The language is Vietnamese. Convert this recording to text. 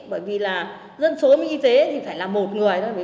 bởi vì là dân số với y tế thì phải là một người thôi